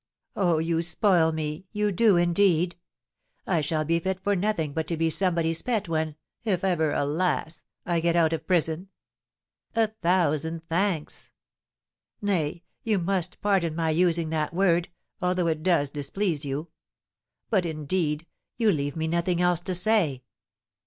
Oh, you spoil me you do, indeed! I shall be fit for nothing but to be somebody's pet when (if ever, alas!) I get out of prison. A thousand thanks! Nay, you must pardon my using that word, although it does displease you. But, indeed, you leave me nothing else to say."